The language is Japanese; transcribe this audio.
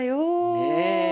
ねえ。